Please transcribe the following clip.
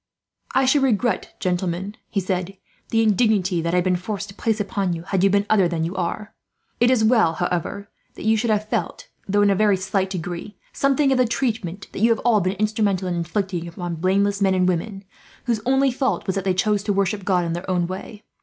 "I should regret, gentlemen," he said, "the indignity that I have been forced to place upon you, had you been other than you are. It is well, however, that you should have felt, though in a very slight degree, something of the treatment that you have all been instrumental in inflicting upon blameless men and women, whose only fault was that they chose to worship God in their own way.